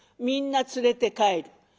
みんな連れて帰る。